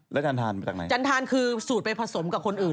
แล้วการทานมาจากไหนจันทานคือสูตรไปผสมกับคนอื่น